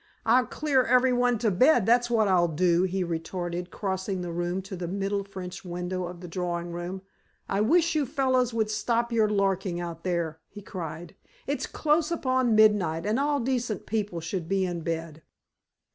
"I'll clear everyone to bed, that's what I'll do," he retorted, crossing the room to the middle French window of the drawing room. "I wish you fellows would stop your larking out there," he cried. "It's close upon midnight, and all decent people should be in bed."